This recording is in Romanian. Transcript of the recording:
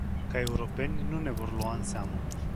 Ca europeni, nu ne vor lua în seamă.